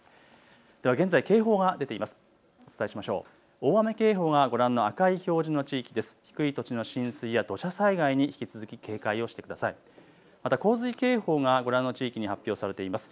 では現在、警報が出ています。